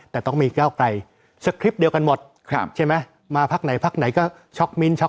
แต่ต้องมีก้าวไกลสคริปต์เดียวกันหมดใช่ไหมมาพักไหนพักไหนก็ช็อกมิ้นท็อก